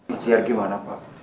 ikhtiar gimana pak